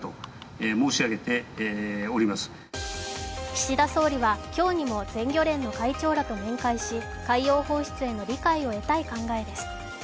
岸田総理は今日にも全漁連の会長らと面会し、海洋放出への理解を得たい考えです。